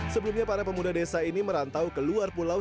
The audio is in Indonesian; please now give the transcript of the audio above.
sebelumnya para pemuda desa ini merantau ke luar pulau